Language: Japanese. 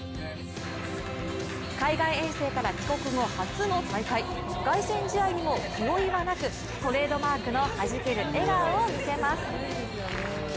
海外遠征から帰国後初の大会、凱旋試合にも気負いはなくトレードマークのはじける笑顔を見せます。